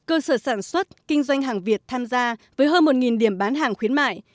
cơ sở sản xuất kinh doanh hàng việt tham gia với hơn một điểm bán hàng khuyến mại